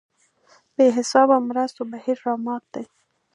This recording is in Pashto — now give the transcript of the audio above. بې حسابو مرستو بهیر رامات دی.